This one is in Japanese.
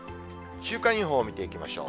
週間予報見ていきましょう。